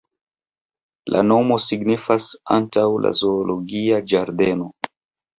La nomo signifas "antaŭ la zoologia ĝardeno".